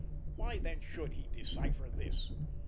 Why, then, should he decipher this?